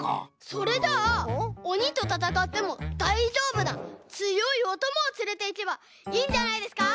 それじゃあおにとたたかってもだいじょうぶなつよいおともをつれていけばいいんじゃないですか？